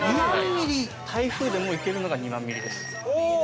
台風でもいけるのが２万ミリです。